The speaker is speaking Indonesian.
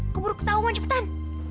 keburu ketawa cepetan